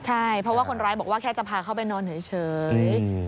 ใช่เพราะว่าคนร้ายบอกว่าแค่จะพาเข้าไปนอนเฉย